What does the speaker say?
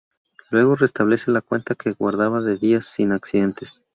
Luego restablece la cuenta que guardaba de días sin accidentes.